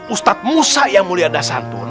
ustadz musa yang mulia dasat